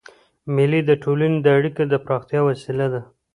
مېلې د ټولني د اړیکو د پراختیا وسیله ده.